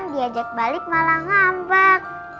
diajak balik malah ngambak